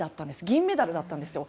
銀メダルだったんですよ。